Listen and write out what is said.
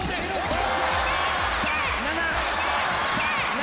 ７！